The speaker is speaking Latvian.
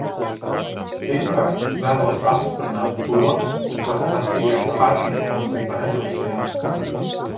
Pirmkārt, vēlos apstiprināt to, ko sacīja Harkin kundze par resursiem.